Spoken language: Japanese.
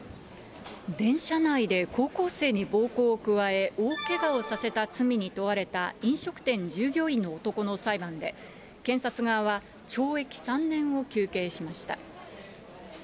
電車内で高校生に暴行を加え、大けがをさせた罪に問われた、飲食店従業員の男の裁判で、検察側は懲役３年を求刑しました。